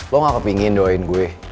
lo gak kepingin doain gue